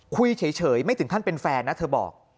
คุยเฉยไม่ถึงขั้นเป็นแฟนนะเธอบอก